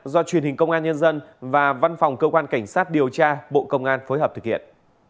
do truyền hình công an nhân dân và văn phòng cơ quan cảnh sát điều tra bộ công an phối hợp thực hiện